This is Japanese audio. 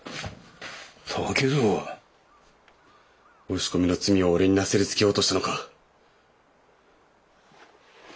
押し込みの罪を俺になすりつけようとしたのか？